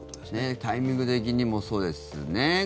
タイミング的にもそうですね。